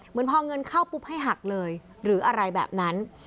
เหมือนพอเงินเข้าปุ๊บให้หักเลยหรืออะไรแบบนั้น